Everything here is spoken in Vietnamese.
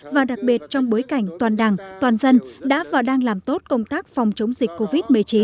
và đặc biệt trong bối cảnh toàn đảng toàn dân đã và đang làm tốt công tác phòng chống dịch covid một mươi chín